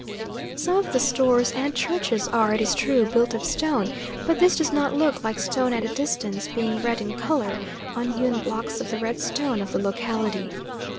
Some of the stores and churches are, it is true, built of stone, but this does not look like stone at a distance, being red in colour unhewn blocks of the red stone of the locality.